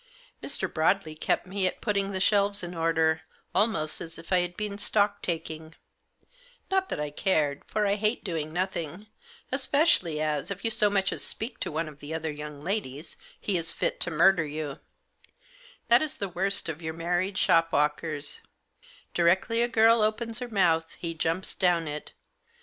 Mr, Broadley kept me at putting the shelves in order, almost as if I had been stock taking, Not that I cared, for I hate doing nothing ; especially as, if you so much as speak to one of the other young ladies, he is fit to murder you ; that is the worst of your married shopwalkers, direetly a giri opens her mouth he jumps down it.